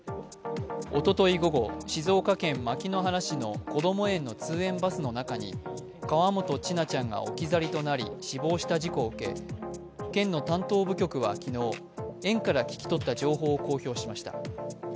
おととい午後、静岡県牧之原市のこども園の通園バスの中に河本千奈ちゃんが置き去りとなり死亡した事故を受け県の担当部局は昨日、園から聴き取った情報を公開しました。